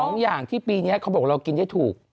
อย่างที่ปีนี้เขาบอกเรากินได้ถูก